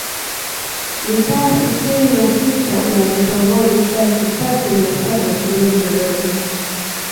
Mitaa sitini na sita na Vitongoji elfu tatu mia saba ishirini na nane